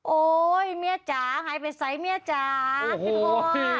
โอ๊ยเมียจ๋าหายไปใส่เมียจ๋าเป็นห่วง